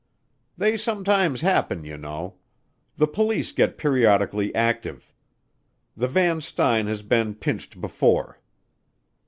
"They sometimes happen, you know. The police get periodically active. The Van Styne has been pinched before."